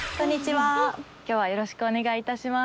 今日はよろしくお願い致します。